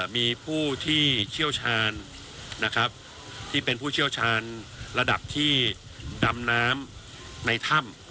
มีผู้ที่เชี่ยวชาญนะครับที่เป็นผู้เชี่ยวชาญระดับที่ดำน้ำในถ้ำ